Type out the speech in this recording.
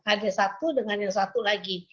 ada satu dengan yang satu lagi